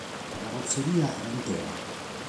La carrozzeria era in tela.